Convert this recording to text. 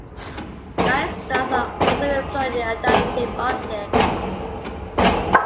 Guide stars are also employed in adaptive optics.